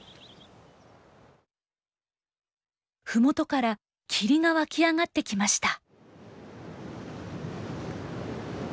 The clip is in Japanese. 麓から霧が湧き上がってきました。